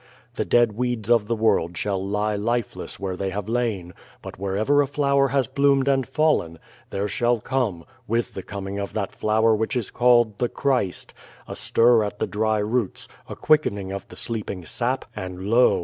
The dead weeds of the world shall lie lifeless where they have lain, but wherever a flower has bloomed and fallen, there shall come with the coming of that Flower which is called the Christ, a stir at the dry roots, a quickening of the sleeping sap, and lo